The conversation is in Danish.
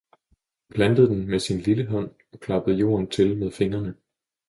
Hun plantede den med sin lille hånd og klappede jorden til med fingrene.